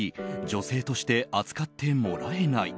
女性として扱ってもらえない。